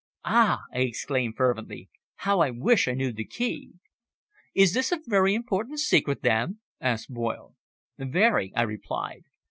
"Ah!" I exclaimed fervently. "How I wish I knew the key." "Is this a very important secret, then?" asked Boyle. "Very," I replied.